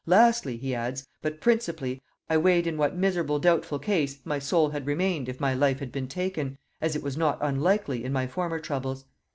"Lastly," he adds, "but principally, I weighed in what miserable doubtful case my soul had remained if my life had been taken, as it was not unlikely, in my former troubles.